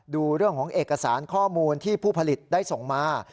ดูเรื่องของเอกสารข้อมูลที่ผู้ผลิตได้ส่งมา